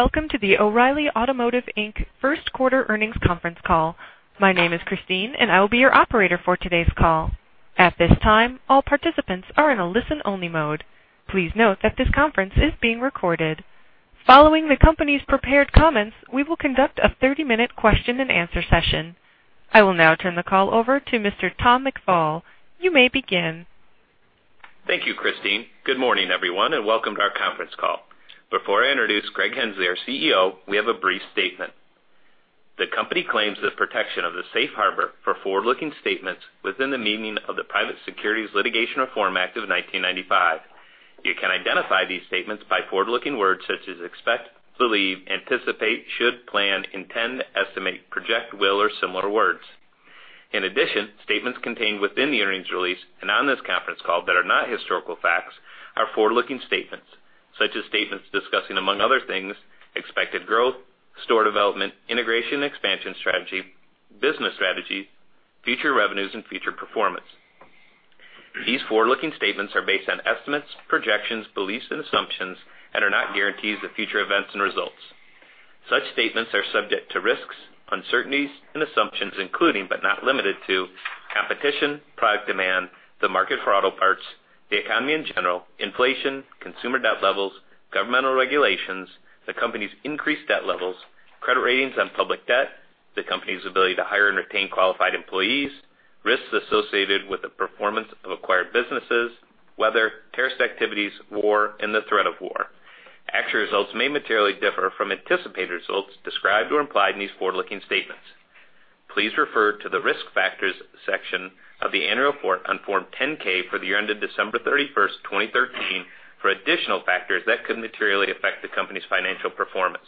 Welcome to the O’Reilly Automotive Inc. first quarter earnings conference call. My name is Christine, and I will be your operator for today's call. At this time, all participants are in a listen-only mode. Please note that this conference is being recorded. Following the company's prepared comments, we will conduct a 30-minute question and answer session. I will now turn the call over to Mr. Tom McFall. You may begin. Thank you, Christine. Good morning, everyone, and welcome to our conference call. Before I introduce Greg Henslee, our CEO, we have a brief statement. The company claims the protection of the safe harbor for forward-looking statements within the meaning of the Private Securities Litigation Reform Act of 1995. You can identify these statements by forward-looking words such as expect, believe, anticipate, should, plan, intend, estimate, project, will, or similar words. In addition, statements contained within the earnings release and on this conference call that are not historical facts are forward-looking statements, such as statements discussing, among other things, expected growth, store development, integration expansion strategy, business strategy, future revenues, and future performance. These forward-looking statements are based on estimates, projections, beliefs, and assumptions and are not guarantees of future events and results. Such statements are subject to risks, uncertainties, and assumptions including, but not limited to, competition, product demand, the market for auto parts, the economy in general, inflation, consumer debt levels, governmental regulations, the company's increased debt levels, credit ratings on public debt, the company's ability to hire and retain qualified employees, risks associated with the performance of acquired businesses, weather, terrorist activities, war, and the threat of war. Actual results may materially differ from anticipated results described or implied in these forward-looking statements. Please refer to the risk factors section of the annual report on Form 10-K for the year ended December 31st, 2013, for additional factors that could materially affect the company's financial performance.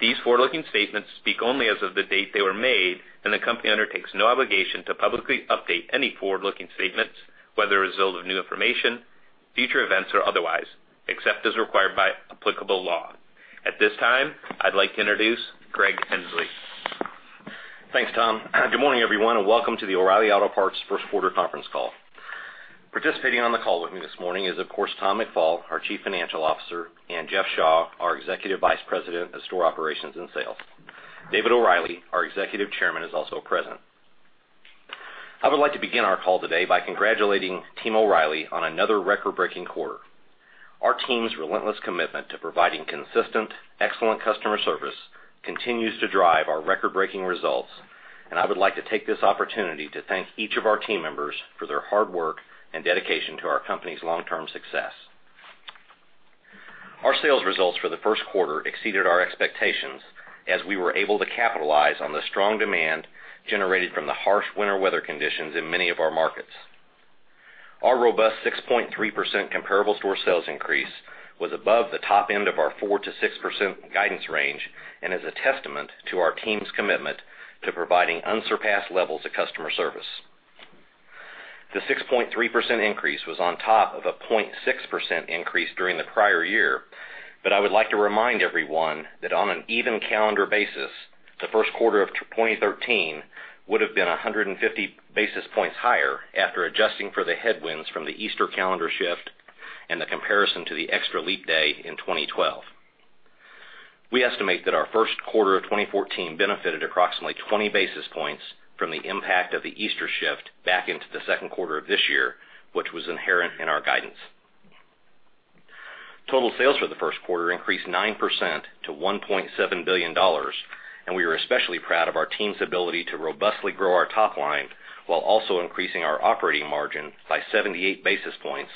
These forward-looking statements speak only as of the date they were made, and the company undertakes no obligation to publicly update any forward-looking statements, whether as a result of new information, future events, or otherwise, except as required by applicable law. At this time, I'd like to introduce Greg Henslee. Thanks, Tom. Good morning, everyone, and welcome to the O’Reilly Auto Parts first quarter conference call. Participating on the call with me this morning is, of course, Tom McFall, our Chief Financial Officer, and Jeff Shaw, our Executive Vice President of Store Operations and Sales. David O’Reilly, our Executive Chairman, is also present. I would like to begin our call today by congratulating Team O’Reilly on another record-breaking quarter. Our team's relentless commitment to providing consistent excellent customer service continues to drive our record-breaking results, and I would like to take this opportunity to thank each of our team members for their hard work and dedication to our company's long-term success. Our sales results for the first quarter exceeded our expectations as we were able to capitalize on the strong demand generated from the harsh winter weather conditions in many of our markets. Our robust 6.3% comparable store sales increase was above the top end of our 4%-6% guidance range and is a testament to our team's commitment to providing unsurpassed levels of customer service. The 6.3% increase was on top of a 0.6% increase during the prior year. I would like to remind everyone that on an even calendar basis, the first quarter of 2013 would have been 150 basis points higher after adjusting for the headwinds from the Easter calendar shift and the comparison to the extra leap day in 2012. We estimate that our first quarter of 2014 benefited approximately 20 basis points from the impact of the Easter shift back into the second quarter of this year, which was inherent in our guidance. Total sales for the first quarter increased 9% to $1.7 billion. We are especially proud of our team's ability to robustly grow our top line while also increasing our operating margin by 78 basis points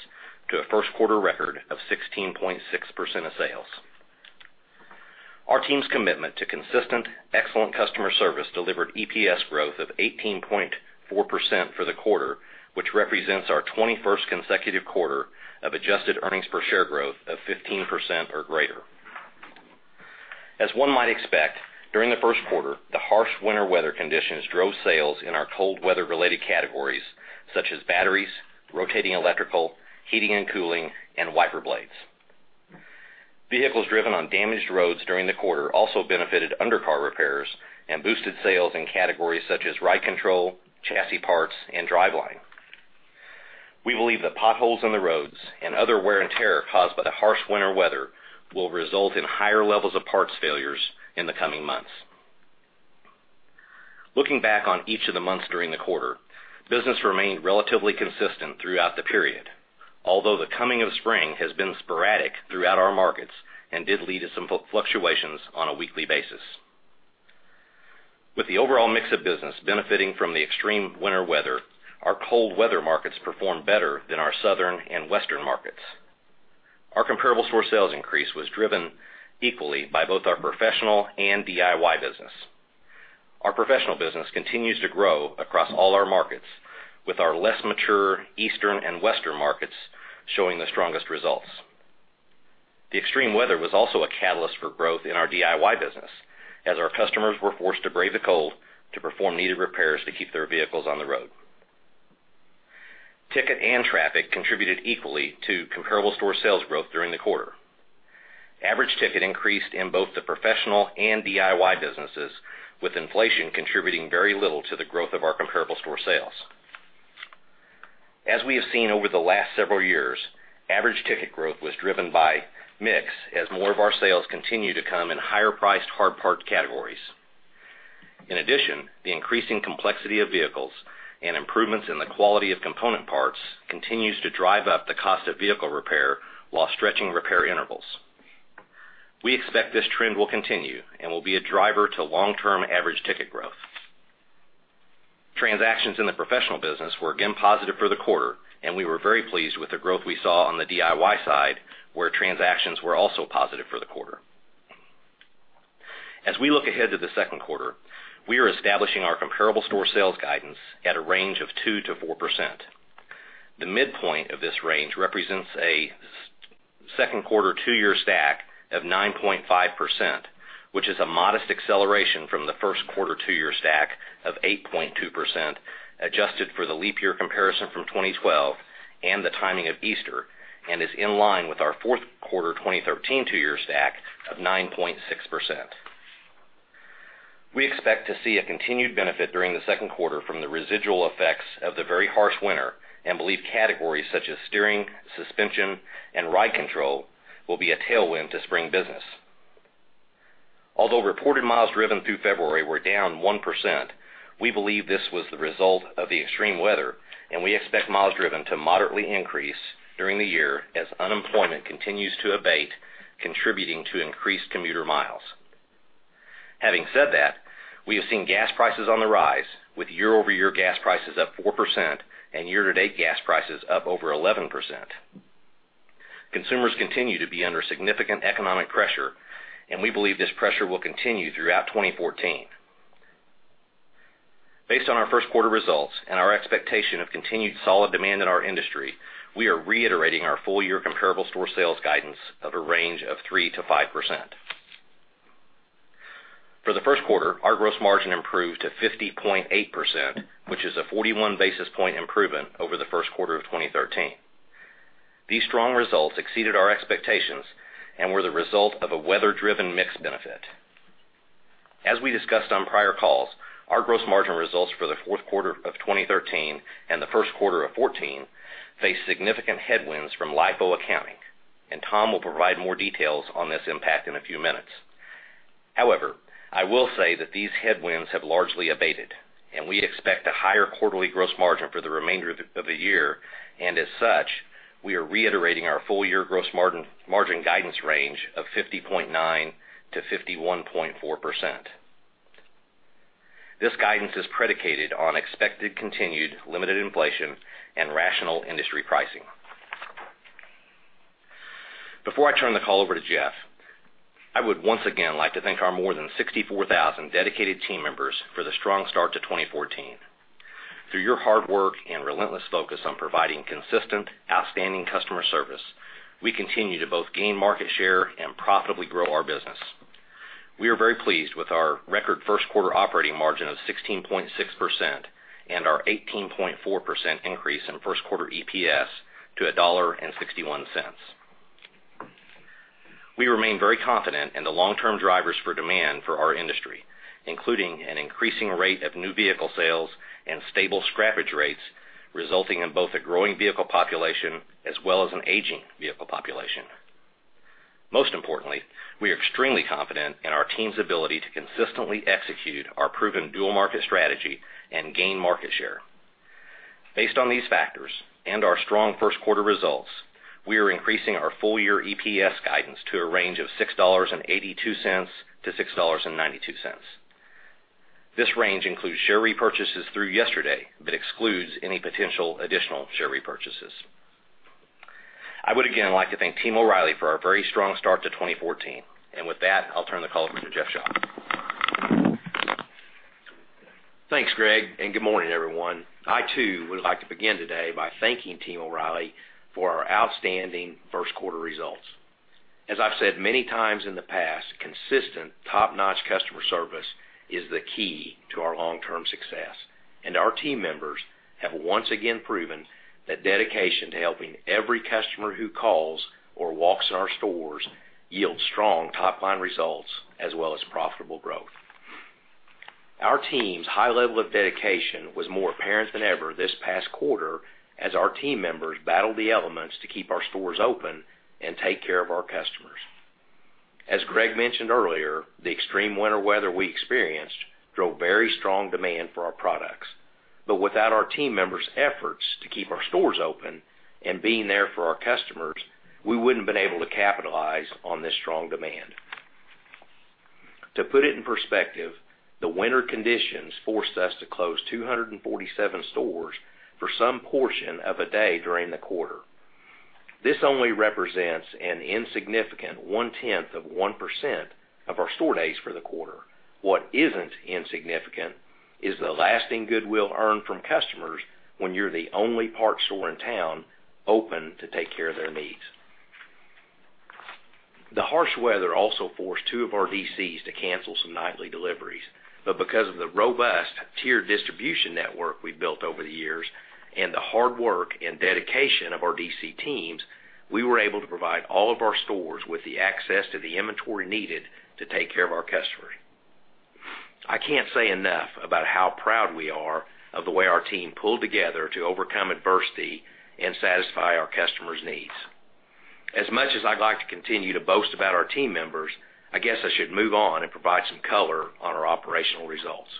to a first-quarter record of 16.6% of sales. Our team's commitment to consistent excellent customer service delivered EPS growth of 18.4% for the quarter, which represents our 21st consecutive quarter of adjusted earnings per share growth of 15% or greater. As one might expect, during the first quarter, the harsh winter weather conditions drove sales in our cold weather-related categories such as batteries, rotating electrical, heating and cooling, and wiper blades. Vehicles driven on damaged roads during the quarter also benefited undercar repairs and boosted sales in categories such as ride control, chassis parts, and driveline. We believe the potholes on the roads and other wear and tear caused by the harsh winter weather will result in higher levels of parts failures in the coming months. Looking back on each of the months during the quarter, business remained relatively consistent throughout the period. Although the coming of spring has been sporadic throughout our markets and did lead to some fluctuations on a weekly basis. With the overall mix of business benefiting from the extreme winter weather, our cold weather markets performed better than our southern and western markets. Our comparable store sales increase was driven equally by both our professional and DIY business. Our professional business continues to grow across all our markets, with our less mature Eastern and Western markets showing the strongest results. The extreme weather was also a catalyst for growth in our DIY business, as our customers were forced to brave the cold to perform needed repairs to keep their vehicles on the road. Ticket and traffic contributed equally to comparable store sales growth during the quarter. Average ticket increased in both the professional and DIY businesses, with inflation contributing very little to the growth of our comparable store sales. As we have seen over the last several years, average ticket growth was driven by mix as more of our sales continue to come in higher-priced hard part categories. In addition, the increasing complexity of vehicles and improvements in the quality of component parts continues to drive up the cost of vehicle repair while stretching repair intervals. We expect this trend will continue and will be a driver to long-term average ticket growth. Transactions in the professional business were again positive for the quarter, and we were very pleased with the growth we saw on the DIY side, where transactions were also positive for the quarter. As we look ahead to the second quarter, we are establishing our comparable store sales guidance at a range of 2%-4%. The midpoint of this range represents a second quarter two-year stack of 9.5%, which is a modest acceleration from the first quarter two-year stack of 8.2%, adjusted for the leap year comparison from 2012 and the timing of Easter, and is in line with our fourth quarter 2013 two-year stack of 9.6%. We expect to see a continued benefit during the second quarter from the residual effects of the very harsh winter and believe categories such as steering, suspension, and ride control will be a tailwind to spring business. Although reported miles driven through February were down 1%, we believe this was the result of the extreme weather, and we expect miles driven to moderately increase during the year as unemployment continues to abate, contributing to increased commuter miles. Having said that, we have seen gas prices on the rise, with year-over-year gas prices up 4% and year-to-date gas prices up over 11%. Consumers continue to be under significant economic pressure, and we believe this pressure will continue throughout 2014. Based on our first quarter results and our expectation of continued solid demand in our industry, we are reiterating our full-year comparable store sales guidance of a range of 3%-5%. For the first quarter, our gross margin improved to 50.8%, which is a 41-basis point improvement over the first quarter of 2013. These strong results exceeded our expectations and were the result of a weather-driven mix benefit. As we discussed on prior calls, our gross margin results for the fourth quarter of 2013 and the first quarter of 2014 faced significant headwinds from LIFO accounting, and Tom will provide more details on this impact in a few minutes. However, I will say that these headwinds have largely abated, and we expect a higher quarterly gross margin for the remainder of the year. As such, we are reiterating our full-year gross margin guidance range of 50.9%-51.4%. This guidance is predicated on expected continued limited inflation and rational industry pricing. Before I turn the call over to Jeff, I would once again like to thank our more than 64,000 dedicated team members for the strong start to 2014. Through your hard work and relentless focus on providing consistent, outstanding customer service, we continue to both gain market share and profitably grow our business. We are very pleased with our record first quarter operating margin of 16.6% and our 18.4% increase in first quarter EPS to $1.61. We remain very confident in the long-term drivers for demand for our industry, including an increasing rate of new vehicle sales and stable scrappage rates, resulting in both a growing vehicle population as well as an aging vehicle population. Most importantly, we are extremely confident in our team's ability to consistently execute our proven dual market strategy and gain market share. Based on these factors and our strong first quarter results, we are increasing our full-year EPS guidance to a range of $6.82 to $6.92. This range includes share repurchases through yesterday but excludes any potential additional share repurchases. I would again like to thank Team O'Reilly for our very strong start to 2014. With that, I’ll turn the call over to Jeff Shaw. Thanks, Greg, and good morning, everyone. I too would like to begin today by thanking Team O'Reilly for our outstanding first quarter results. As I’ve said many times in the past, consistent top-notch customer service is the key to our long-term success, and our team members have once again proven that dedication to helping every customer who calls or walks in our stores yields strong top-line results as well as profitable growth. Our team’s high level of dedication was more apparent than ever this past quarter as our team members battled the elements to keep our stores open and take care of our customers. As Greg mentioned earlier, the extreme winter weather we experienced drove very strong demand for our products. Without our team members’ efforts to keep our stores open and being there for our customers, we wouldn’t have been able to capitalize on this strong demand. To put it in perspective, the winter conditions forced us to close 247 stores for some portion of a day during the quarter. This only represents an insignificant one-tenth of 1% of our store days for the quarter. What isn’t insignificant is the lasting goodwill earned from customers when you’re the only parts store in town open to take care of their needs. The harsh weather also forced two of our DCs to cancel some nightly deliveries. Because of the robust tiered distribution network we’ve built over the years and the hard work and dedication of our DC teams, we were able to provide all of our stores with the access to the inventory needed to take care of our customers. I can't say enough about how proud we are of the way our team pulled together to overcome adversity and satisfy our customers' needs. As much as I'd like to continue to boast about our team members, I guess I should move on and provide some color on our operational results.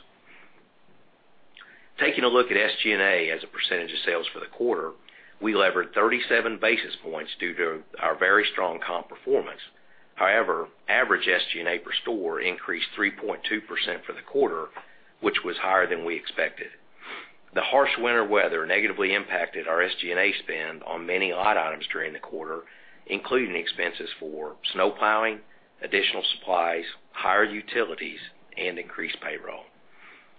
Taking a look at SGA as a percentage of sales for the quarter, we levered 37 basis points due to our very strong comp performance. However, average SGA per store increased 3.2% for the quarter, which was higher than we expected. The harsh winter weather negatively impacted our SGA spend on many line items during the quarter, including expenses for snow plowing, additional supplies, higher utilities, and increased payroll.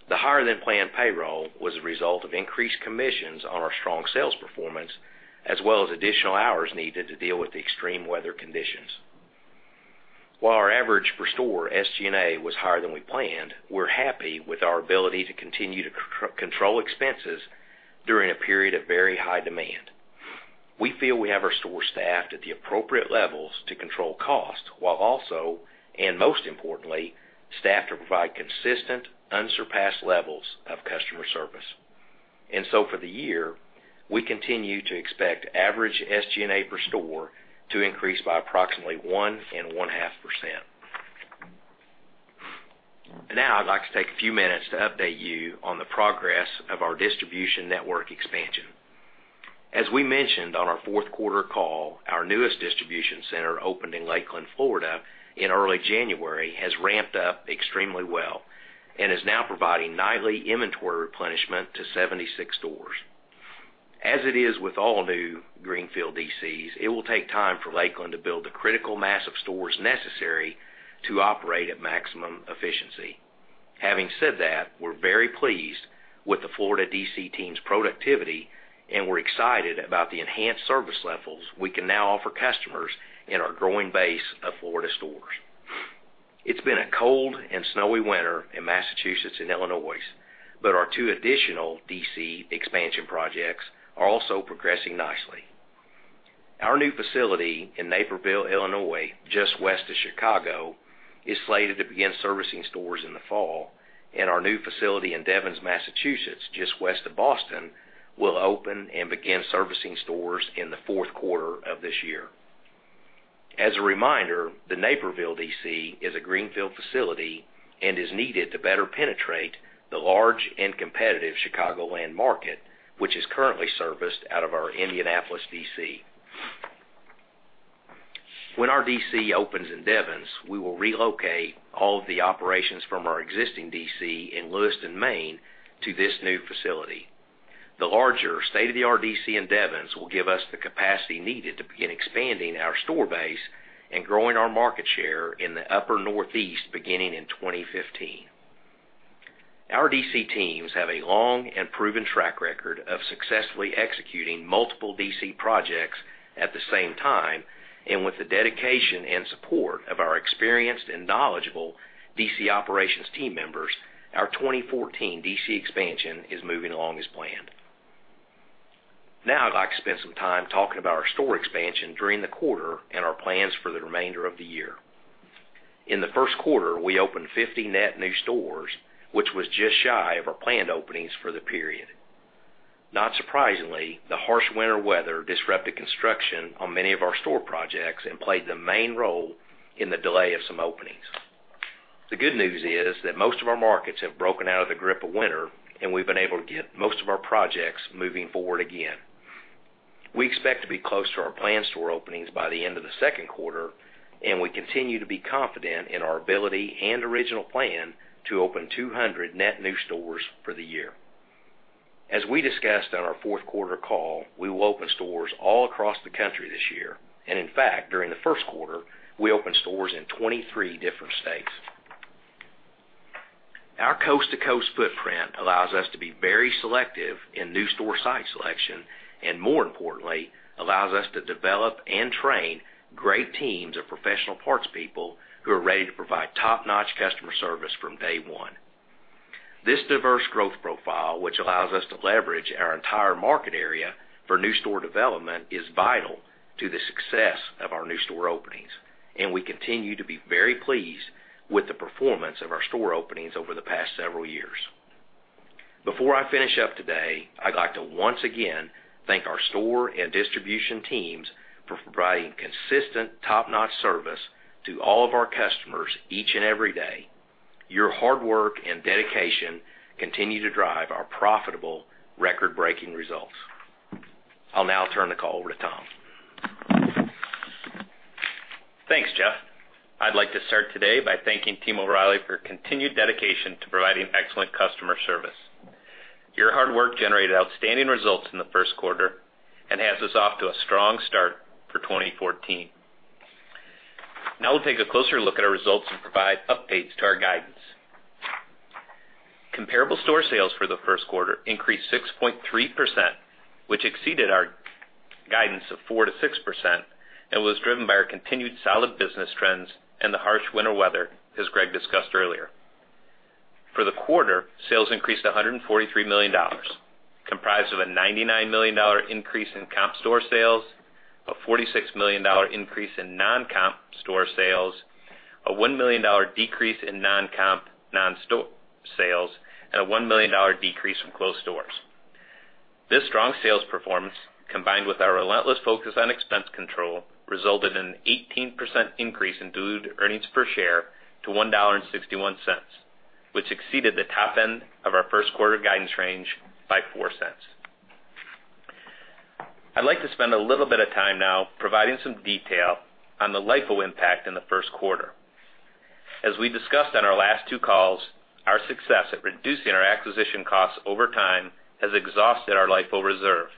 The higher-than-planned payroll was a result of increased commissions on our strong sales performance, as well as additional hours needed to deal with the extreme weather conditions. While our average per-store SGA was higher than we planned, we're happy with our ability to continue to control expenses during a period of very high demand. We feel we have our stores staffed at the appropriate levels to control costs, while also, and most importantly, staffed to provide consistent, unsurpassed levels of customer service. For the year, we continue to expect average SG&A per store to increase by approximately 1.5%. Now I'd like to take a few minutes to update you on the progress of our distribution network expansion. As we mentioned on our fourth quarter call, our newest distribution center opened in Lakeland, Florida in early January, has ramped up extremely well and is now providing nightly inventory replenishment to 76 stores. As it is with all new greenfield DCs, it will take time for Lakeland to build the critical mass of stores necessary to operate at maximum efficiency. Having said that, we're very pleased with the Florida DC team's productivity, and we're excited about the enhanced service levels we can now offer customers in our growing base of Florida stores. It's been a cold and snowy winter in Massachusetts and Illinois, but our two additional DC expansion projects are also progressing nicely. Our new facility in Naperville, Illinois, just west of Chicago, is slated to begin servicing stores in the fall, and our new facility in Devens, Massachusetts, just west of Boston, will open and begin servicing stores in the fourth quarter of this year. As a reminder, the Naperville DC is a greenfield facility and is needed to better penetrate the large and competitive Chicagoland market, which is currently serviced out of our Indianapolis DC. When our DC opens in Devens, we will relocate all of the operations from our existing DC in Lewiston, Maine, to this new facility. The larger state-of-the-art DC in Devens will give us the capacity needed to begin expanding our store base and growing our market share in the upper northeast, beginning in 2015. Our DC teams have a long and proven track record of successfully executing multiple DC projects at the same time and with the dedication and support of our experienced and knowledgeable DC operations team members, our 2014 DC expansion is moving along as planned. Now, I'd like to spend some time talking about our store expansion during the quarter and our plans for the remainder of the year. In the first quarter, we opened 50 net new stores, which was just shy of our planned openings for the period. Not surprisingly, the harsh winter weather disrupted construction on many of our store projects and played the main role in the delay of some openings. The good news is that most of our markets have broken out of the grip of winter, and we've been able to get most of our projects moving forward again. We expect to be close to our planned store openings by the end of the second quarter, and we continue to be confident in our ability and original plan to open 200 net new stores for the year. As we discussed on our fourth quarter call, we will open stores all across the country this year. In fact, during the first quarter, we opened stores in 23 different states. Our coast-to-coast footprint allows us to be very selective in new store site selection, more importantly, allows us to develop and train great teams of professional parts people who are ready to provide top-notch customer service from day one. This diverse growth profile, which allows us to leverage our entire market area for new store development, is vital to the success of our new store openings, and we continue to be very pleased with the performance of our store openings over the past several years. Before I finish up today, I'd like to once again thank our store and distribution teams for providing consistent, top-notch service to all of our customers each and every day. Your hard work and dedication continue to drive our profitable record-breaking results. I'll now turn the call over to Tom. Thanks, Jeff. I'd like to start today by thanking Team O'Reilly for your continued dedication to providing excellent customer service. Your hard work generated outstanding results in the first quarter and has us off to a strong start for 2014. We'll take a closer look at our results and provide updates to our guidance. Comparable store sales for the first quarter increased 6.3%, which exceeded our guidance of 4%-6%, was driven by our continued solid business trends and the harsh winter weather, as Greg discussed earlier. For the quarter, sales increased to $143 million, comprised of a $99 million increase in comp store sales, a $46 million increase in non-comp store sales, a $1 million decrease in non-comp non-store sales, and a $1 million decrease from closed stores. This strong sales performance, combined with our relentless focus on expense control, resulted in an 18% increase in diluted earnings per share to $1.61, which exceeded the top end of our first quarter guidance range by $0.04. I'd like to spend a little bit of time now providing some detail on the LIFO impact in the first quarter. As we discussed on our last two calls, our success at reducing our acquisition costs over time has exhausted our LIFO reserve,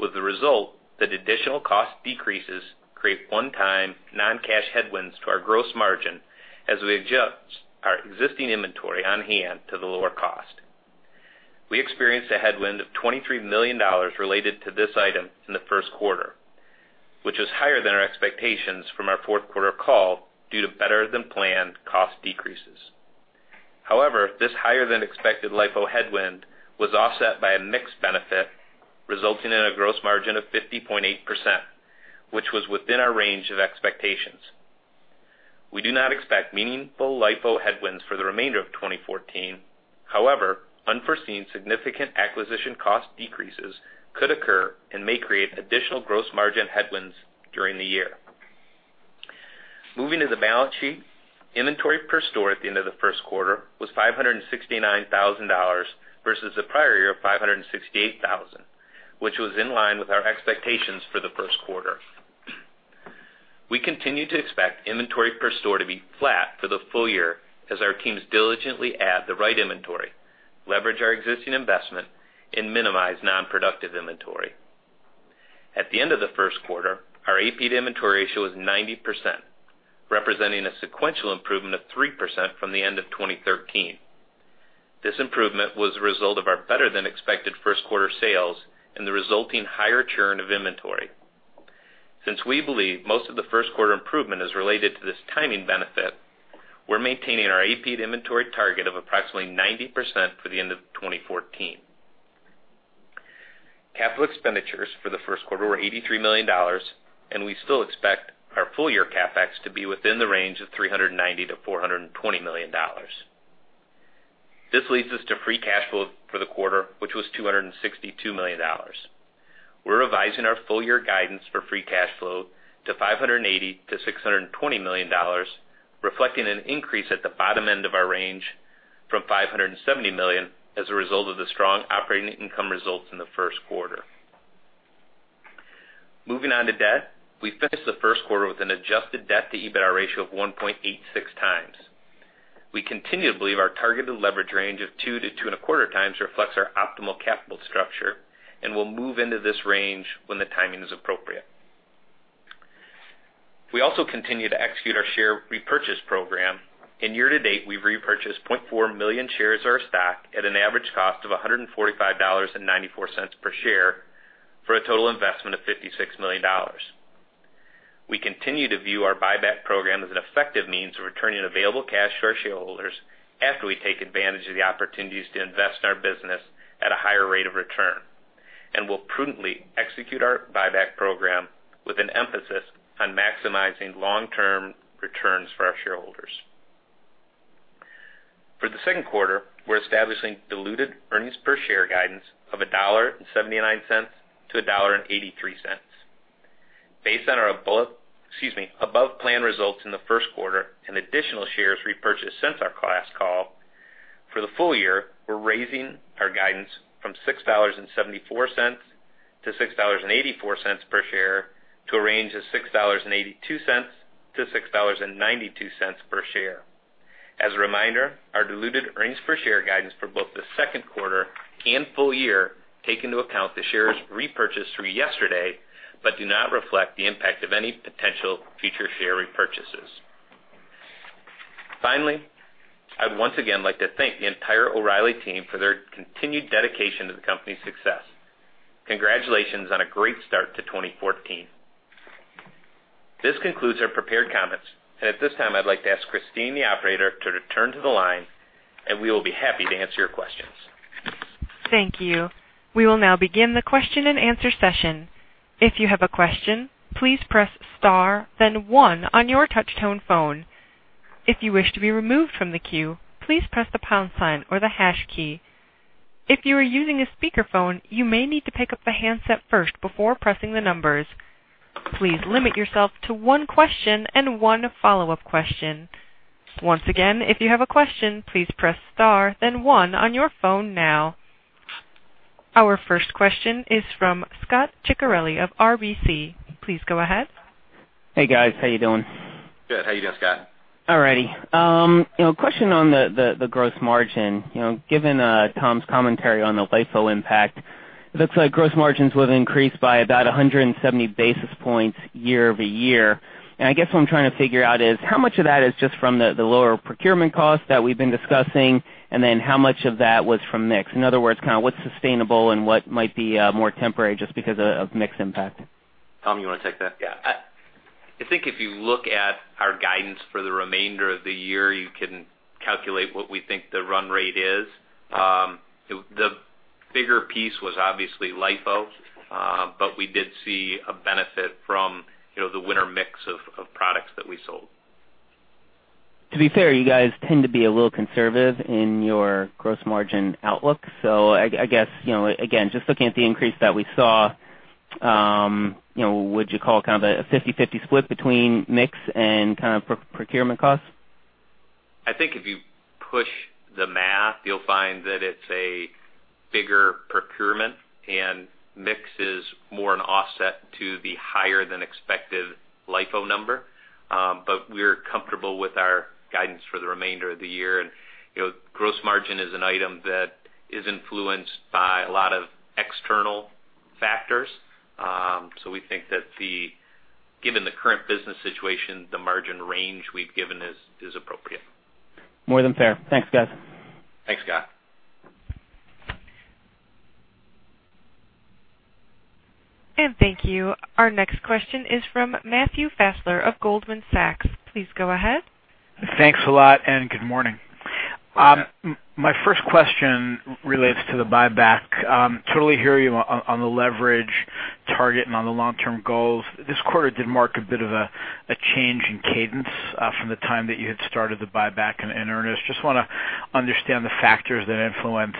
with the result that additional cost decreases create one-time non-cash headwinds to our gross margin as we adjust our existing inventory on hand to the lower cost. We experienced a headwind of $23 million related to this item in the first quarter, which was higher than our expectations from our fourth quarter call due to better-than-planned cost decreases. This higher-than-expected LIFO headwind was offset by a mix benefit, resulting in a gross margin of 50.8%, which was within our range of expectations. We do not expect meaningful LIFO headwinds for the remainder of 2014. Unforeseen significant acquisition cost decreases could occur and may create additional gross margin headwinds during the year. Moving to the balance sheet. Inventory per store at the end of the first quarter was $569,000 versus the prior year of $568,000, which was in line with our expectations for the first quarter. We continue to expect inventory per store to be flat for the full year as our teams diligently add the right inventory, leverage our existing investment, and minimize non-productive inventory. At the end of the first quarter, our AP to inventory ratio was 90%, representing a sequential improvement of 3% from the end of 2013. This improvement was a result of our better-than-expected first quarter sales and the resulting higher churn of inventory. Since we believe most of the first quarter improvement is related to this timing benefit, we're maintaining our AP to inventory target of approximately 90% for the end of 2014. Capital expenditures for the first quarter were $83 million, and we still expect our full year CapEx to be within the range of $390 million-$420 million. This leads us to free cash flow for the quarter, which was $262 million. We're revising our full year guidance for free cash flow to $580 million-$620 million, reflecting an increase at the bottom end of our range from $570 million as a result of the strong operating income results in the first quarter. Moving on to debt. We finished the first quarter with an adjusted debt to EBITDA ratio of 1.86 times. We continue to believe our targeted leverage range of 2 to 2.25 times reflects our optimal capital structure, will move into this range when the timing is appropriate. We also continue to execute our share repurchase program. In year to date, we've repurchased 0.4 million shares of our stock at an average cost of $145.94 per share for a total investment of $56 million. We continue to view our buyback program as an effective means of returning available cash to our shareholders after we take advantage of the opportunities to invest in our business at a higher rate of return. We'll prudently execute our buyback program with an emphasis on maximizing long-term returns for our shareholders. For the second quarter, we're establishing diluted earnings per share guidance of $1.79-$1.83. Based on our above plan results in the first quarter and additional shares repurchased since our last call, for the full year, we're raising our guidance from $6.74-$6.84 per share to a range of $6.82-$6.92 per share. As a reminder, our diluted earnings per share guidance for both the second quarter and full year take into account the shares repurchased through yesterday, but do not reflect the impact of any potential future share repurchases. Finally, I'd once again like to thank the entire O'Reilly team for their continued dedication to the company's success. Congratulations on a great start to 2014. This concludes our prepared comments. At this time, I'd like to ask Christine, the operator, to return to the line, and we will be happy to answer your questions. Thank you. We will now begin the question and answer session. If you have a question, please press star then one on your touch tone phone. If you wish to be removed from the queue, please press the pound sign or the hash key. If you are using a speakerphone, you may need to pick up the handset first before pressing the numbers. Please limit yourself to 1 question and 1 follow-up question. Once again, if you have a question, please press star then one on your phone now. Our first question is from Scot Ciccarelli of RBC. Please go ahead. Hey, guys. How you doing? Good. How you doing, Scot? All righty. A question on the gross margin. Given Tom's commentary on the LIFO impact, it looks like gross margins would increase by about 170 basis points year-over-year. I guess what I'm trying to figure out is how much of that is just from the lower procurement cost that we've been discussing, and then how much of that was from mix? In other words, what's sustainable and what might be more temporary just because of mix impact? Tom, you want to take that? I think if you look at our guidance for the remainder of the year, you can calculate what we think the run rate is. The bigger piece was obviously LIFO, but we did see a benefit from the winter mix of products that we sold. To be fair, you guys tend to be a little conservative in your gross margin outlook. I guess, again, just looking at the increase that we saw, would you call it a 50/50 split between mix and procurement costs? I think if you push the math, you'll find that it's a bigger procurement, and mix is more an offset to the higher than expected LIFO number. We're comfortable with our guidance for the remainder of the year, and gross margin is an item that is influenced by a lot of external factors. We think that given the current business situation, the margin range we've given is appropriate. More than fair. Thanks, guys. Thanks, Scot. Thank you. Our next question is from Matthew Fassler of Goldman Sachs. Please go ahead. Thanks a lot, and good morning. Good morning. My first question relates to the buyback. Totally hear you on the leverage target and on the long-term goals. This quarter did mark a bit of a change in cadence from the time that you had started the buyback in earnest. Just want to understand the factors that influence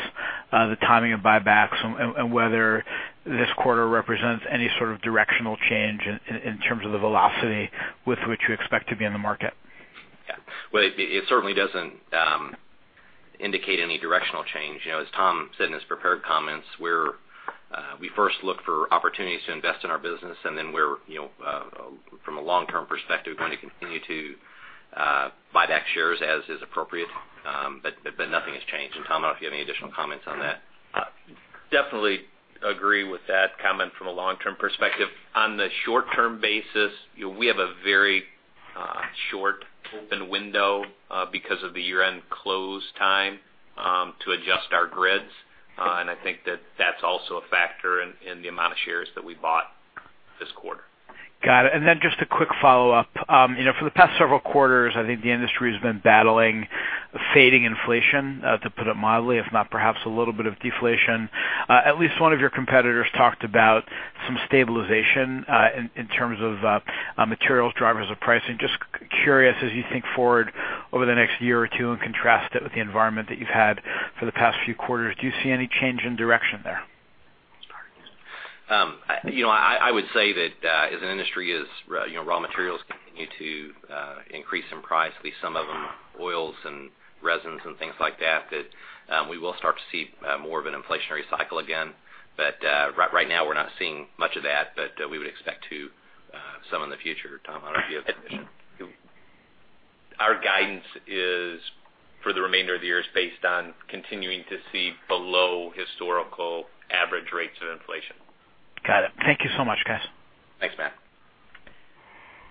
the timing of buybacks and whether this quarter represents any sort of directional change in terms of the velocity with which you expect to be in the market. Yeah. Well, it certainly doesn't indicate any directional change. As Tom said in his prepared comments, we first look for opportunities to invest in our business, then we're, from a long-term perspective, going to continue to buy back shares as is appropriate. Nothing has changed. Tom, I don't know if you have any additional comments on that. Definitely agree with that comment from a long-term perspective. On the short-term basis, we have a very short open window because of the year-end close time to adjust our grids. I think that that's also a factor in the amount of shares that we bought this quarter. Got it. Just a quick follow-up. For the past several quarters, I think the industry has been battling fading inflation, to put it mildly, if not perhaps a little bit of deflation. At least one of your competitors talked about some stabilization in terms of materials drivers of pricing. Just curious, as you think forward over the next year or two and contrast it with the environment that you've had for the past few quarters, do you see any change in direction there? I would say that as an industry, as raw materials continue to increase in price, at least some of them, oils and resins and things like that we will start to see more of an inflationary cycle again. Right now we're not seeing much of that, but we would expect to some in the future. Tom, I don't know if you have anything to add. Our guidance for the remainder of the year is based on continuing to see below historical average rates of inflation. Got it. Thank you so much, guys. Thanks, Matt.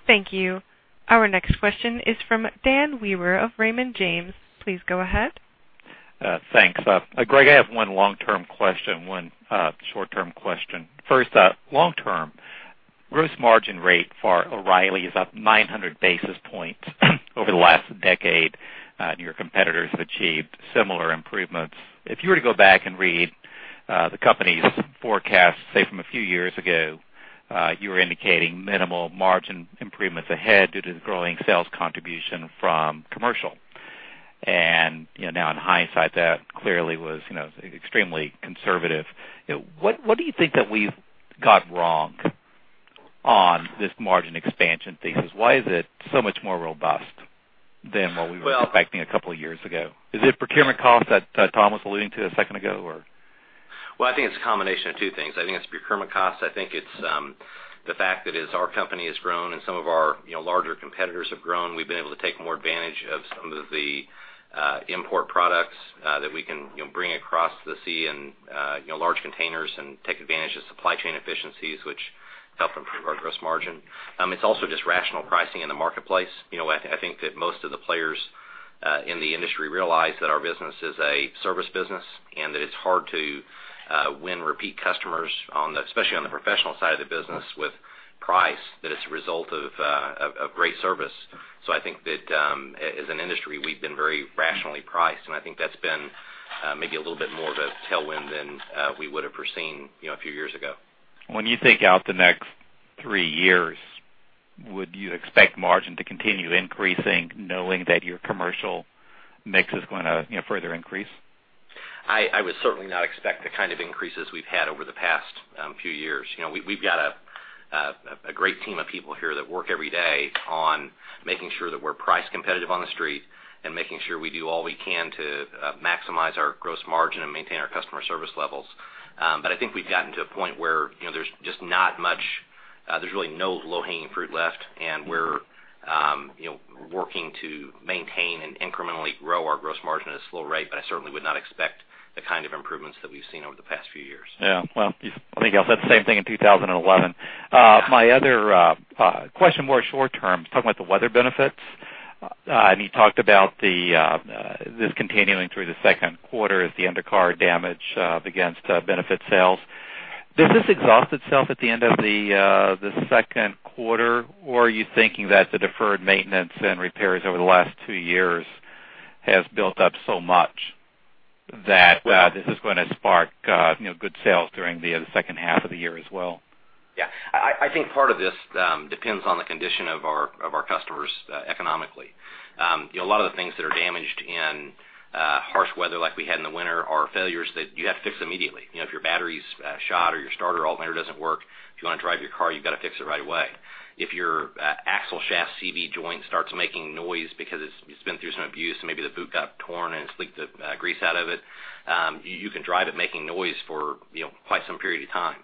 Thank you. Our next question is from Dan Wewer of Raymond James. Please go ahead. Thanks. Greg, I have one long-term question, one short-term question. First, long-term. Gross margin rate for O’Reilly is up 900 basis points over the last decade, your competitors have achieved similar improvements. If you were to go back and read the company's forecast, say, from a few years ago, you were indicating minimal margin improvements ahead due to the growing sales contribution from commercial. Now in hindsight, that clearly was extremely conservative. What do you think that we've got wrong on this margin expansion thesis? Why is it so much more robust than what we were expecting a couple of years ago? Is it procurement cost that Tom was alluding to a second ago, or? Well, I think it's a combination of two things. I think it's procurement costs. I think it's the fact that as our company has grown and some of our larger competitors have grown, we've been able to take more advantage of some of the import products that we can bring across the sea in large containers and take advantage of supply chain efficiencies, which help improve our gross margin. It's also just rational pricing in the marketplace. I think that most of the players in the industry realize that our business is a service business and that it's hard to win repeat customers, especially on the professional side of the business, with price, that it's a result of great service. I think that as an industry, we've been very rationally priced, and I think that's been maybe a little bit more of a tailwind than we would have foreseen a few years ago. When you think out the next three years, would you expect margin to continue increasing, knowing that your commercial mix is going to further increase? I would certainly not expect the kind of increases we've had over the past few years. We've got a great team of people here that work every day on making sure that we're price competitive on the street and making sure we do all we can to maximize our gross margin and maintain our customer service levels. I think we've gotten to a point where there's really no low-hanging fruit left, and we're working to maintain and incrementally grow our gross margin at a slow rate, I certainly would not expect the kind of improvements that we've seen over the past few years. Yeah. Well, I think I said the same thing in 2011. My other question, more short term, talking about the weather benefits. You talked about this continuing through the second quarter as the undercar damage against benefit sales. Does this exhaust itself at the end of the second quarter? Are you thinking that the deferred maintenance and repairs over the last two years has built up so much that this is going to spark good sales during the second half of the year as well? Yeah. I think part of this depends on the condition of our customers economically. A lot of the things that are damaged in harsh weather, like we had in the winter, are failures that you have to fix immediately. If your battery's shot or your starter alternator doesn't work, if you want to drive your car, you've got to fix it right away. If your axle shaft CV joint starts making noise because it's been through some abuse and maybe the boot got torn and it's leaked the grease out of it, you can drive it making noise for quite some period of time.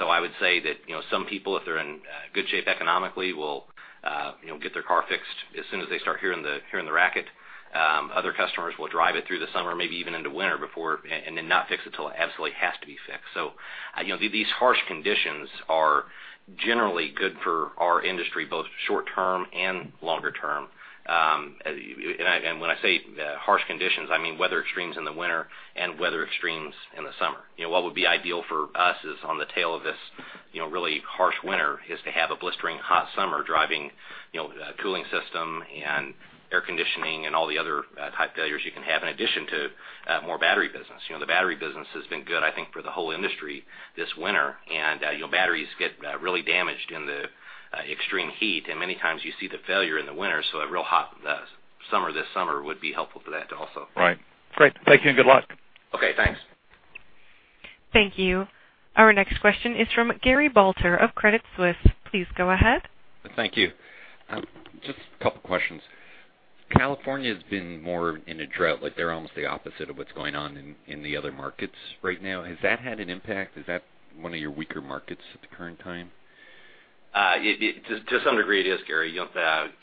I would say that some people, if they're in good shape economically, will get their car fixed as soon as they start hearing the racket. Other customers will drive it through the summer, maybe even into winter, and then not fix it till it absolutely has to be fixed. These harsh conditions are generally good for our industry, both short term and longer term. When I say harsh conditions, I mean weather extremes in the winter and weather extremes in the summer. What would be ideal for us is on the tail of this really harsh winter is to have a blistering hot summer driving cooling system and air conditioning and all the other type failures you can have, in addition to more battery business. The battery business has been good, I think, for the whole industry this winter. Batteries get really damaged in the extreme heat, and many times you see the failure in the winter, so a real hot summer this summer would be helpful to that also. Right. Great. Thank you and good luck. Okay, thanks. Thank you. Our next question is from Gary Balter of Credit Suisse. Please go ahead. Thank you. Just a couple questions. California has been more in a drought. Like, they're almost the opposite of what's going on in the other markets right now. Has that had an impact? Is that one of your weaker markets at the current time? To some degree it is, Gary.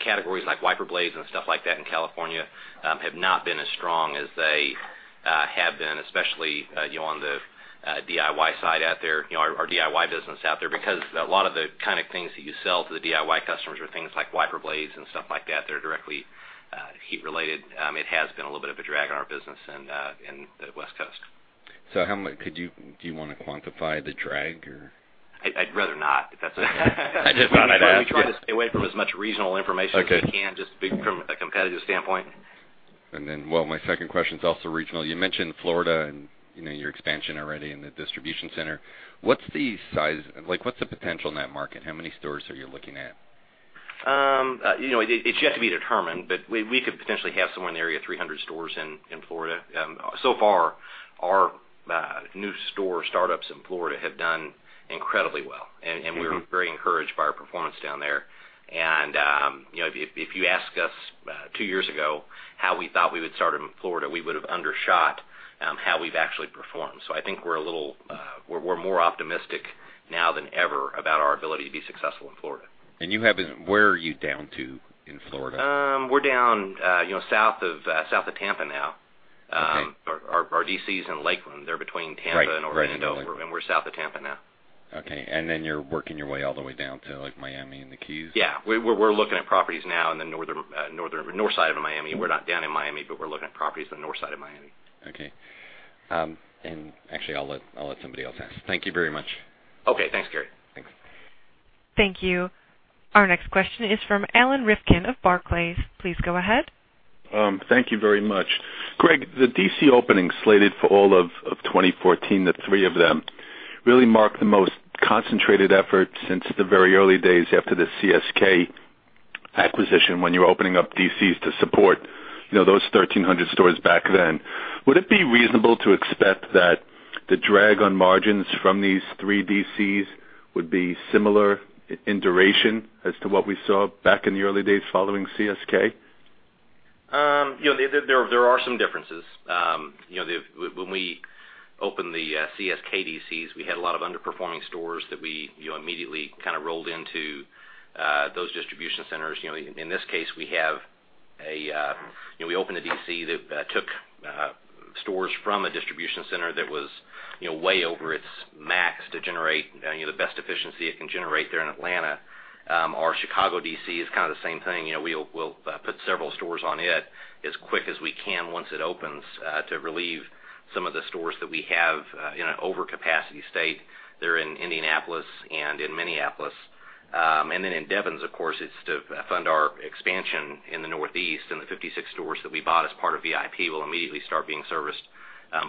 Categories like wiper blades and stuff like that in California have not been as strong as they have been, especially on the DIY side out there, our DIY business out there, because a lot of the kind of things that you sell to the DIY customers are things like wiper blades and stuff like that are directly heat-related. It has been a little bit of a drag on our business in the West Coast. Do you want to quantify the drag? I'd rather not. If that's okay. I just thought I'd ask. Yeah. We try to stay away from as much regional information as we can, just from a competitive standpoint. Well, my second question's also regional. You mentioned Florida and your expansion already in the distribution center. What's the potential in that market? How many stores are you looking at? It's yet to be determined, but we could potentially have somewhere in the area of 300 stores in Florida. So far, our new store startups in Florida have done incredibly well, and we're very encouraged by our performance down there. If you ask us two years ago how we thought we would start in Florida, we would've undershot how we've actually performed. I think we're more optimistic now than ever about our ability to be successful in Florida. Where are you down to in Florida? We're down south of Tampa now. Okay. Our DC is in Lakeland. They're between Tampa and Orlando. Right. We're south of Tampa now. Okay, then you're working your way all the way down to Miami and the Keys? Yeah. We're looking at properties now in the north side of Miami. We're not down in Miami, we're looking at properties on the north side of Miami. Okay. Actually, I'll let somebody else ask. Thank you very much. Okay. Thanks, Gary. Thanks. Thank you. Our next question is from Alan Rifkin of Barclays. Please go ahead. Thank you very much. Greg, the DC openings slated for all of 2014, the three of them, really mark the most concentrated effort since the very early days after the CSK acquisition when you were opening up DCs to support those 1,300 stores back then. Would it be reasonable to expect that the drag on margins from these three DCs would be similar in duration as to what we saw back in the early days following CSK? There are some differences. When we opened the CSK DCs, we had a lot of underperforming stores that we immediately kind of rolled into those distribution centers. In this case, we opened a DC that took stores from a distribution center that was way over its max to generate the best efficiency it can generate there in Atlanta. Our Chicago DC is kind of the same thing. We'll put several stores on it as quick as we can once it opens, to relieve some of the stores that we have in an overcapacity state there in Indianapolis and in Minneapolis. In Devens, of course, it's to fund our expansion in the Northeast, and the 56 stores that we bought as part of VIP will immediately start being serviced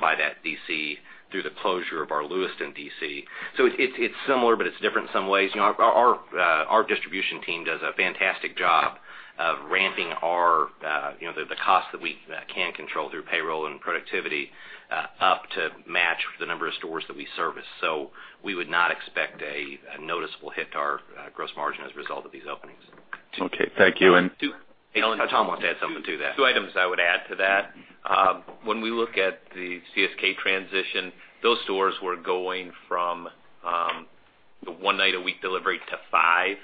by that DC through the closure of our Lewiston DC. It's similar, but it's different in some ways. Our distribution team does a fantastic job of ramping the cost that we can control through payroll and productivity up to match the number of stores that we service. We would not expect a noticeable hit to our gross margin as a result of these openings. Okay. Thank you. Tom wants to add something to that. Two items I would add to that. When we look at the CSK transition, those stores were going from the one night a week delivery to five.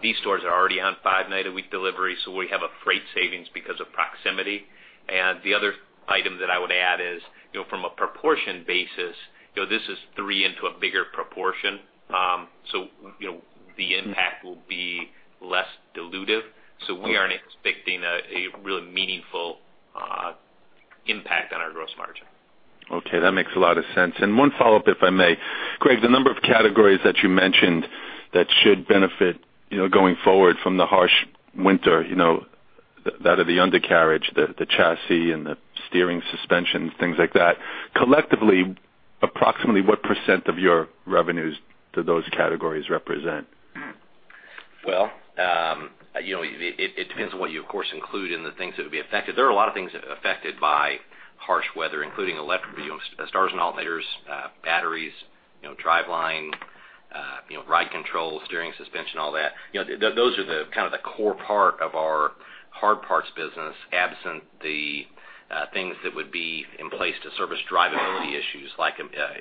These stores are already on five night a week delivery, we have a freight savings because of proximity. The other item that I would add is, from a proportion basis, this is three into a bigger proportion. The impact will be less dilutive. We aren't expecting a really meaningful. Impact on our gross margin. Okay, that makes a lot of sense. One follow-up, if I may. Greg, the number of categories that you mentioned that should benefit going forward from the harsh winter, that of the undercarriage, the chassis and the steering suspension, things like that. Collectively, approximately what % of your revenues do those categories represent? Well, it depends on what you, of course, include in the things that would be affected. There are a lot of things affected by harsh weather, including starters and alternators, batteries, driveline, ride control, steering suspension, all that. Those are the core part of our hard parts business, absent the things that would be in place to service drivability issues like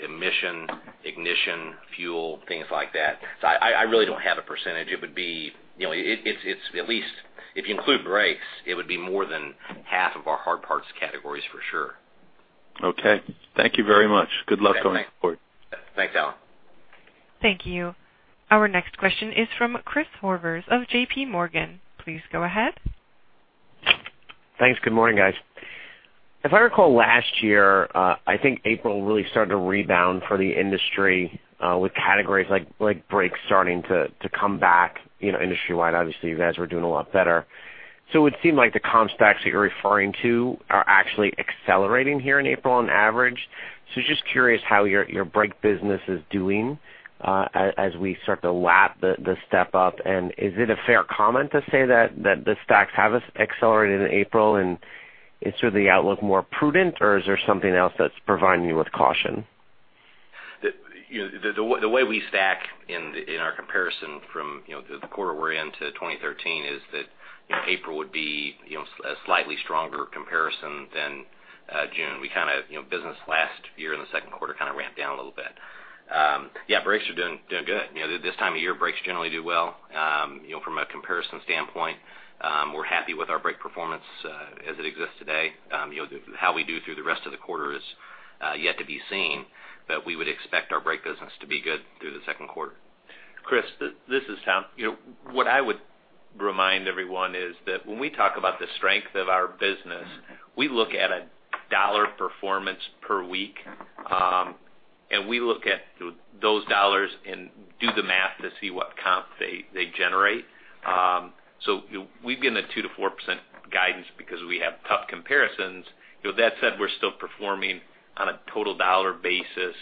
emission, ignition, fuel, things like that. I really don't have a %. If you include brakes, it would be more than half of our hard parts categories, for sure. Okay. Thank you very much. Good luck going forward. Thanks, Alan. Thank you. Our next question is from Christopher Horvers of J.P. Morgan. Please go ahead. Thanks. Good morning, guys. If I recall last year, I think April really started to rebound for the industry, with categories like brakes starting to come back, industry-wide. Obviously, you guys were doing a lot better. It would seem like the comp stacks that you're referring to are actually accelerating here in April on average. Just curious how your brake business is doing, as we start to lap the step up. Is it a fair comment to say that the stacks have accelerated in April, and is sort of the outlook more prudent, or is there something else that's providing you with caution? The way we stack in our comparison from the quarter we're in to 2013 is that April would be a slightly stronger comparison than June. Business last year in the second quarter kind of ramped down a little bit. Yeah, brakes are doing good. This time of year, brakes generally do well. From a comparison standpoint, we're happy with our brake performance, as it exists today. How we do through the rest of the quarter is yet to be seen, but we would expect our brake business to be good through the second quarter. Chris, this is Tom. What I would remind everyone is that when we talk about the strength of our business, we look at a dollar performance per week, and we look at those dollars and do the math to see what comp they generate. We've given a 2%-4% guidance because we have tough comparisons. That said, we're still performing on a total dollar basis,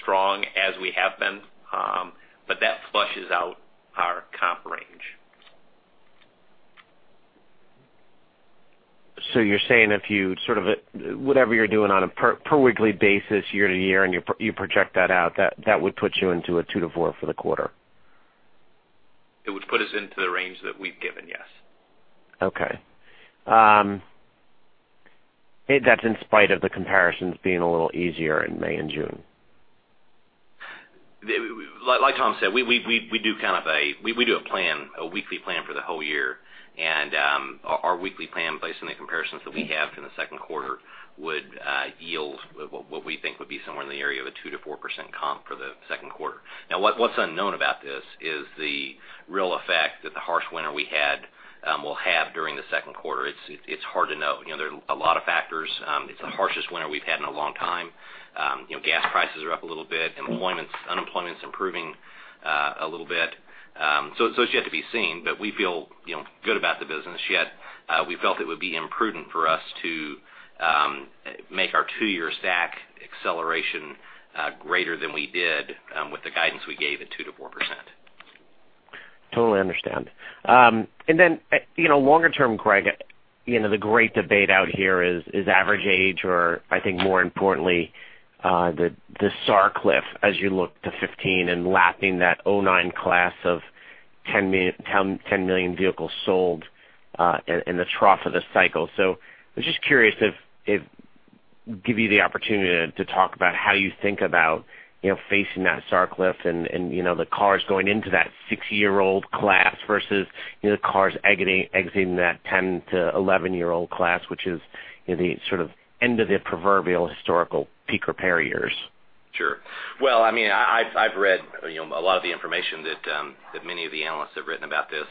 strong as we have been. That flushes out our comp range. You're saying whatever you're doing on a per weekly basis year-to-year, and you project that out, that would put you into a 2%-4% for the quarter? It would put us into the range that we've given, yes. That's in spite of the comparisons being a little easier in May and June. Like Tom said, we do a weekly plan for the whole year, and our weekly plan based on the comparisons that we have for the second quarter would yield what we think would be somewhere in the area of a 2%-4% comp for the second quarter. What's unknown about this is the real effect that the harsh winter we had will have during the second quarter. It's hard to know. There are a lot of factors. It's the harshest winter we've had in a long time. Gas prices are up a little bit. Unemployment's improving a little bit. It's yet to be seen, but we feel good about the business. We felt it would be imprudent for us to make our two-year stack acceleration greater than we did with the guidance we gave at 2%-4%. Totally understand. Longer term, Greg, the great debate out here is average age, or I think more importantly, the SAR cliff as you look to 2015 and lapping that 2009 class of 10 million vehicles sold, in the trough of the cycle. I was just curious if give you the opportunity to talk about how you think about facing that SAR cliff and the cars going into that six-year-old class versus cars exiting that 10 to 11-year-old class, which is the sort of end of the proverbial historical peak repair years. Sure. Well, I've read a lot of the information that many of the analysts have written about this,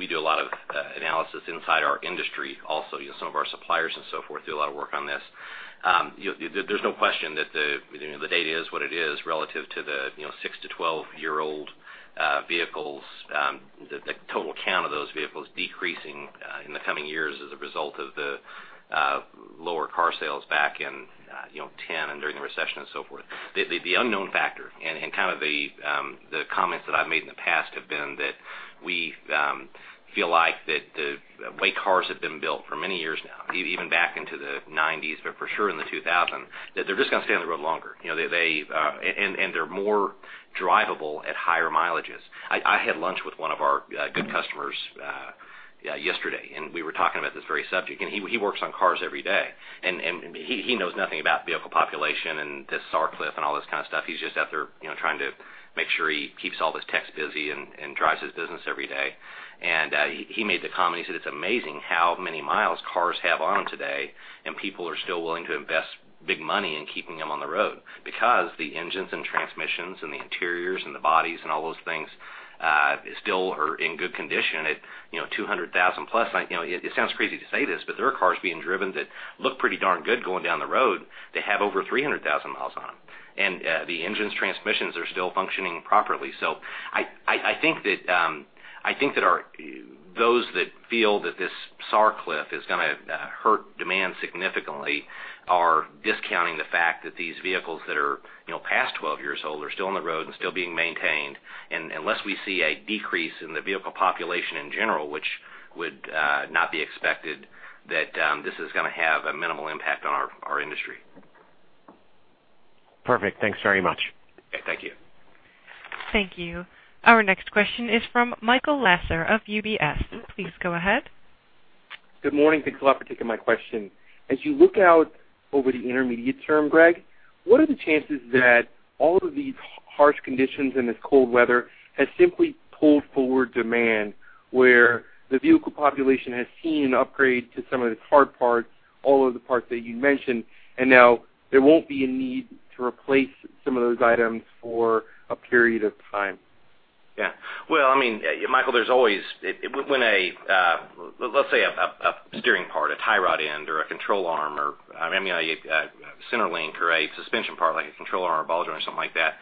we do a lot of analysis inside our industry also. Some of our suppliers and so forth do a lot of work on this. There's no question that the data is what it is relative to the 6 to 12-year-old vehicles, the total count of those vehicles decreasing in the coming years as a result of the lower car sales back in 2010 during the recession and so forth. The unknown factor kind of the comments that I've made in the past have been that we feel like that the way cars have been built for many years now, even back into the 1990s, for sure in the 2000s, that they're just going to stay on the road longer, they're more drivable at higher mileages. I had lunch with one of our good customers yesterday, we were talking about this very subject, he works on cars every day. He knows nothing about vehicle population this SAR cliff and all this kind of stuff. He's just out there trying to make sure he keeps all his techs busy and drives his business every day. He made the comment, he said, "It's amazing how many miles cars have on them today, people are still willing to invest big money in keeping them on the road because the engines and transmissions and the interiors and the bodies and all those things still are in good condition at 200,000-plus." It sounds crazy to say this, there are cars being driven that look pretty darn good going down the road that have over 300,000 miles on them. The engines transmissions are still functioning properly. I think that those that feel that this SAR cliff is going to hurt demand significantly are discounting the fact that these vehicles that are past 12 years old are still on the road still being maintained. Unless we see a decrease in the vehicle population in general, which would not be expected, that this is going to have a minimal impact on our industry. Perfect. Thanks very much. Thank you. Thank you. Our next question is from Michael Lasser of UBS. Please go ahead. Good morning. Thanks a lot for taking my question. As you look out over the intermediate term, Greg, what are the chances that all of these harsh conditions and this cold weather has simply pulled forward demand, where the vehicle population has seen an upgrade to some of the hard parts, all of the parts that you mentioned, and now there won't be a need to replace some of those items for a period of time? Well, Michael, there's always let's say a steering part, a tie rod end, or a control arm, or a center link, or a suspension part, like a control arm or ball joint or something like that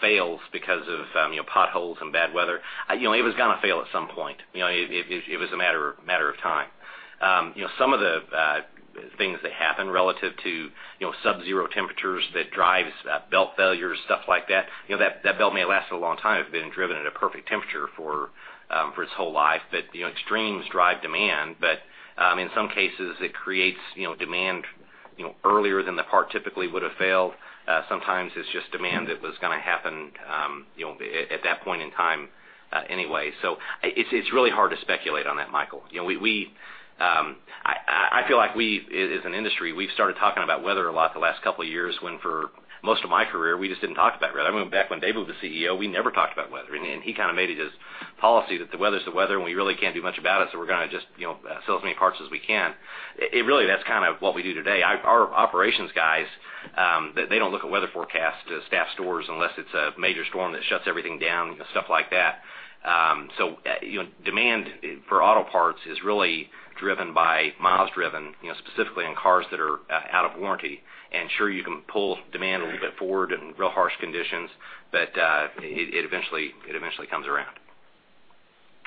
fails because of potholes and bad weather. It was going to fail at some point. It was a matter of time. Some of the things that happen relative to subzero temperatures that drives belt failures, stuff like that belt may have lasted a long time if it had been driven at a perfect temperature for its whole life. Extremes drive demand, but in some cases, it creates demand earlier than the part typically would have failed. Sometimes it's just demand that was going to happen at that point in time anyway. It's really hard to speculate on that, Michael. I feel like we, as an industry, we've started talking about weather a lot the last couple of years when for most of my career, we just didn't talk about weather. I remember back when David was the CEO, we never talked about weather. He kind of made it his policy that the weather's the weather, and we really can't do much about it, so we're going to just sell as many parts as we can. Really, that's kind of what we do today. Our operations guys, they don't look at weather forecasts to staff stores unless it's a major storm that shuts everything down and stuff like that. Demand for auto parts is really driven by miles driven, specifically on cars that are out of warranty. Sure, you can pull demand a little bit forward in real harsh conditions, but it eventually comes around.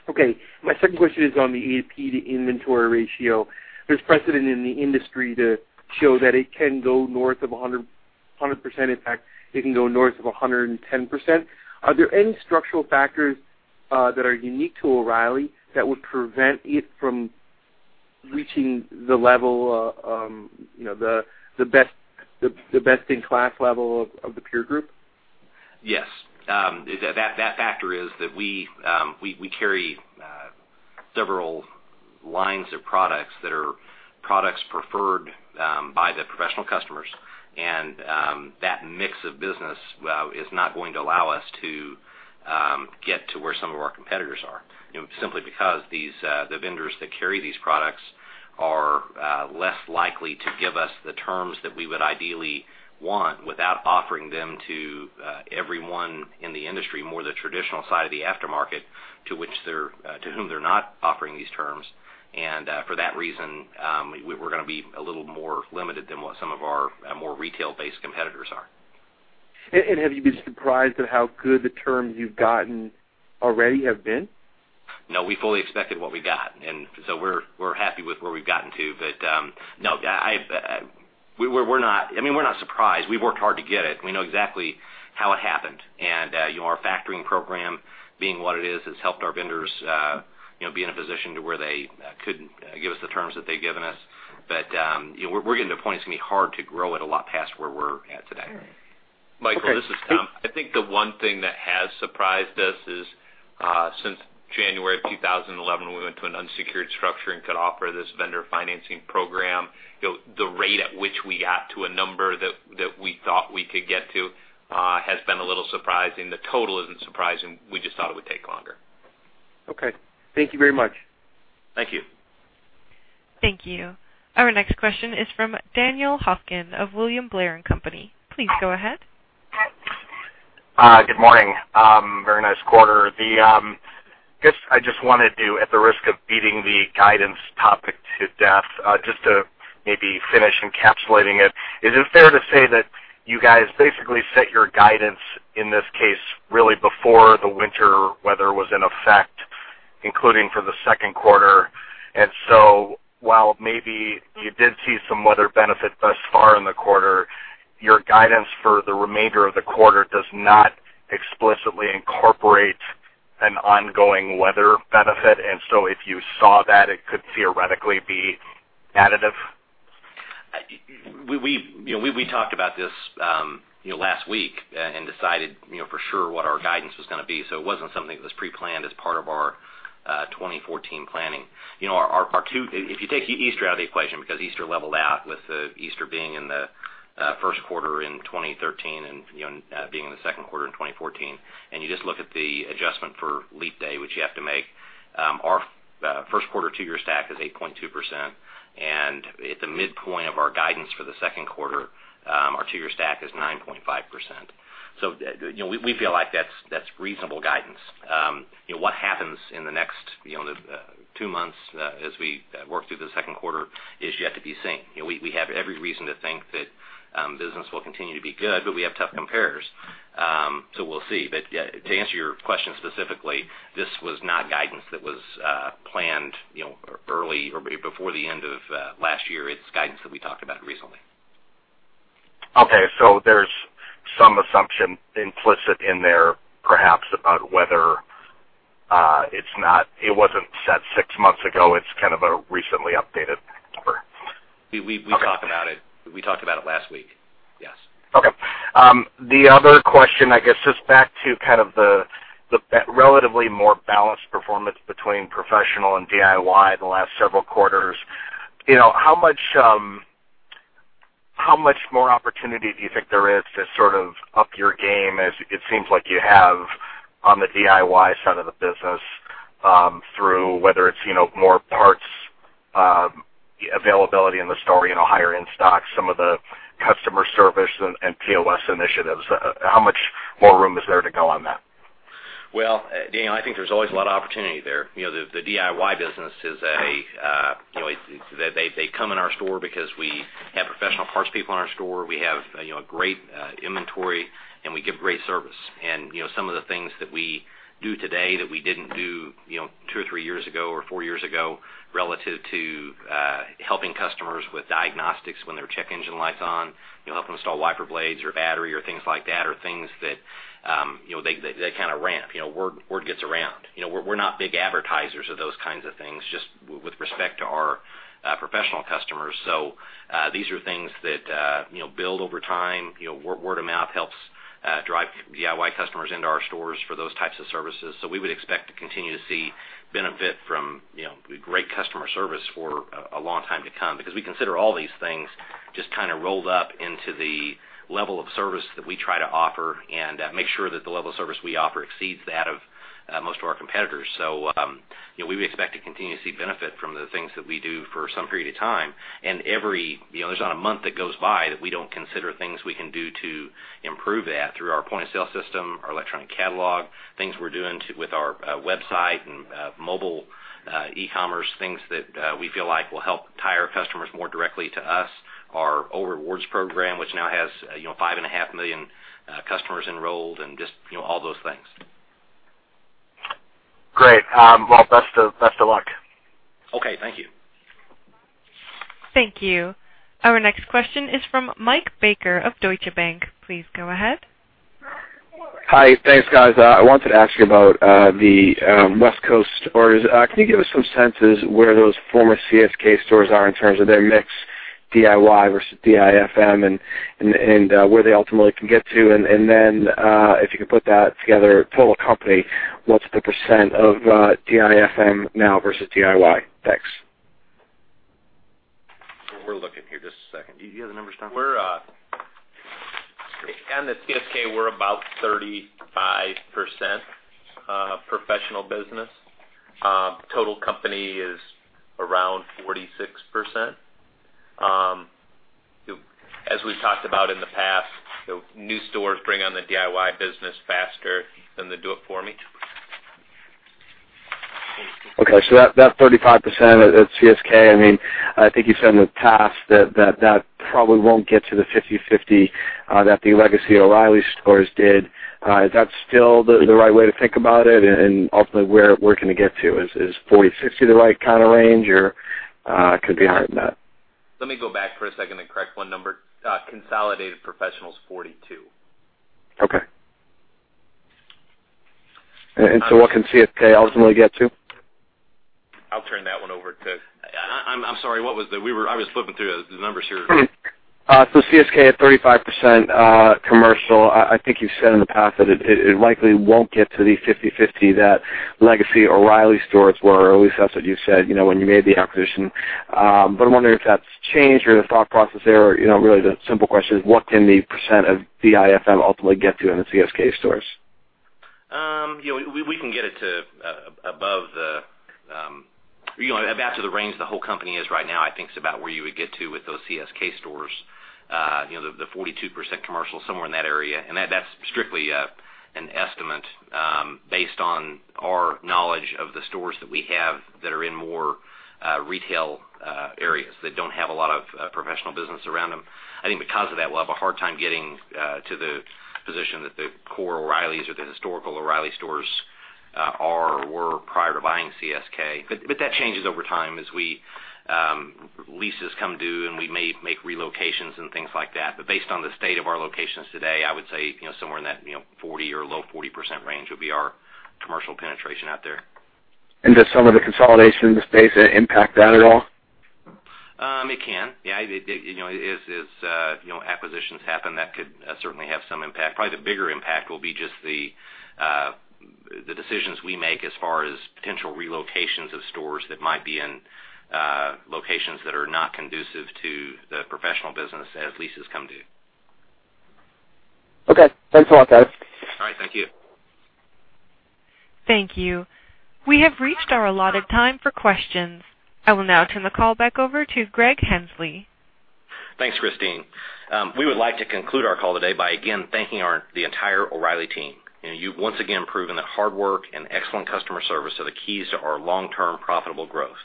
Okay. My second question is on the AP inventory ratio. There's precedent in the industry to show that it can go north of 100%. In fact, it can go north of 110%. Are there any structural factors that are unique to O'Reilly that would prevent it from reaching the best-in-class level of the peer group? Yes. That factor is that we carry several lines of products that are products preferred by the professional customers. That mix of business is not going to allow us to get to where some of our competitors are, simply because the vendors that carry these products are less likely to give us the terms that we would ideally want without offering them to everyone in the industry, more the traditional side of the aftermarket, to whom they're not offering these terms. For that reason, we're going to be a little more limited than what some of our more retail-based competitors are. Have you been surprised at how good the terms you've gotten already have been? No, we fully expected what we got, we're happy with where we've gotten to. No, we're not surprised. We've worked hard to get it. We know exactly how it happened. Our factoring program, being what it is, has helped our vendors be in a position to where they could give us the terms that they've given us. We're getting to a point it's going to be hard to grow it a lot past where we're at today. All right. Okay. Michael, this is Tom. I think the one thing that has surprised us is since January of 2011, we went to an unsecured structure and could offer this vendor financing program. The rate at which we got to a number that we thought we could get to has been a little surprising. The total isn't surprising. We just thought it would take longer. Okay. Thank you very much. Thank you. Thank you. Our next question is from Daniel Hofkin of William Blair & Company. Please go ahead. Good morning. Very nice quarter. I guess I just wanted to, at the risk of beating the guidance topic to death, just to maybe finish encapsulating it. Is it fair to say that you guys basically set your guidance, in this case, really before the winter weather was in effect, including for the second quarter? While maybe you did see some weather benefit thus far in the quarter, your guidance for the remainder of the quarter does not explicitly incorporate an ongoing weather benefit. If you saw that, it could theoretically be additive? We talked about this last week and decided for sure what our guidance was going to be. It was not something that was pre-planned as part of our 2014 planning. If you take Easter out of the equation because Easter leveled out with Easter being in the first quarter in 2013 and being in the second quarter in 2014, and you just look at the adjustment for leap day, which you have to make, our first quarter two-year stack is 8.2%, and at the midpoint of our guidance for the second quarter, our two-year stack is 9.5%. We feel like that is reasonable guidance. What happens in the next two months as we work through the second quarter is yet to be seen. We have every reason to think that business will continue to be good, we have tough comparers. We will see. To answer your question specifically, this was not guidance that was planned early or before the end of last year. It is guidance that we talked about recently. There is some assumption implicit in there perhaps about whether it was not set six months ago. It is kind of a recently updated number. We talked about it last week. Yes. Okay. The other question, I guess, just back to kind of the relatively more balanced performance between professional and DIY in the last several quarters. How much more opportunity do you think there is to sort of up your game as it seems like you have on the DIY side of the business through whether it's more parts availability in the store, higher in stock, some of the customer service and POS initiatives. How much more room is there to go on that? Well, Daniel, I think there's always a lot of opportunity there. The DIY business, they come in our store because we have professional parts people in our store. We have great inventory, and we give great service. Some of the things that we do today that we didn't do two or three years ago or four years ago relative to helping customers with diagnostics when their check engine light's on, helping install wiper blades or battery or things like that, are things that they kind of ramp. Word gets around. We're not big advertisers of those kinds of things just with respect to our professional customers. These are things that build over time. Word of mouth helps drive DIY customers into our stores for those types of services. We would expect to continue to see benefit from great customer service for a long time to come because we consider all these things just kind of rolled up into the level of service that we try to offer and make sure that the level of service we offer exceeds that of most of our competitors. We would expect to continue to see benefit from the things that we do for some period of time. There's not a month that goes by that we don't consider things we can do to improve that through our point of sale system, our electronic catalog, things we're doing with our website and mobile e-commerce, things that we feel like will help tie our customers more directly to us, our O'Rewards program, which now has five and a half million customers enrolled and just all those things. Great. Well, best of luck. Okay. Thank you. Thank you. Our next question is from Michael Baker of Deutsche Bank. Please go ahead. Hi. Thanks, guys. I wanted to ask you about the West Coast stores. Can you give us some sense as where those former CSK stores are in terms of their mix, DIY versus DIFM, and where they ultimately can get to? Then, if you could put that together total company, what's the % of DIFM now versus DIY? Thanks. We're looking here. Just a second. Do you have the numbers, Tom? On the CSK, we're about 35% professional business. Total company is around 46%. As we've talked about in the past, new stores bring on the DIY business faster than the do it for me. Okay. That 35% at CSK, I think you said in the past that probably won't get to the 50/50 that the legacy O’Reilly stores did. Is that still the right way to think about it and ultimately where can it get to? Is 40/60 the right kind of range or could be higher than that? Let me go back for a second and correct one number. Consolidated professional's 42. Okay. What can CSK ultimately get to? I'll turn that one over. I'm sorry, I was flipping through the numbers here. CSK at 35% commercial. I think you've said in the past that it likely won't get to the 50/50 that legacy O’Reilly stores were, or at least that's what you said when you made the acquisition. I'm wondering if that's changed or the thought process there. Really, the simple question is what can the percent of DIFM ultimately get to in the CSK stores? We can get it to above the range the whole company is right now, I think, is about where you would get to with those CSK stores. The 42% commercial, somewhere in that area. That's strictly an estimate based on our knowledge of the stores that we have that are in more retail areas that don't have a lot of professional business around them. I think because of that, we'll have a hard time getting to the position that the core O’Reilly's or the historical O’Reilly stores are or were prior to buying CSK. That changes over time as leases come due and we may make relocations and things like that. Based on the state of our locations today, I would say somewhere in that 40 or low 40% range would be our commercial penetration out there. Does some of the consolidation in the space impact that at all? It can. As acquisitions happen, that could certainly have some impact. Probably the bigger impact will be just the decisions we make as far as potential relocations of stores that might be in locations that are not conducive to the professional business as leases come due. Okay. Thanks a lot, guys. All right. Thank you. Thank you. We have reached our allotted time for questions. I will now turn the call back over to Greg Henslee. Thanks, Christine. We would like to conclude our call today by again thanking the entire O'Reilly team. You've once again proven that hard work and excellent customer service are the keys to our long-term profitable growth.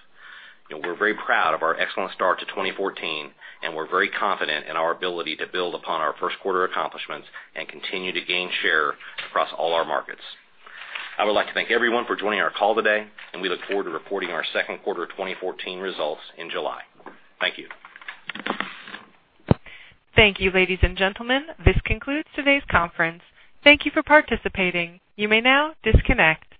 We're very proud of our excellent start to 2014, and we're very confident in our ability to build upon our first quarter accomplishments and continue to gain share across all our markets. I would like to thank everyone for joining our call today, and we look forward to reporting our second quarter 2014 results in July. Thank you. Thank you, ladies and gentlemen. This concludes today's conference. Thank you for participating. You may now disconnect.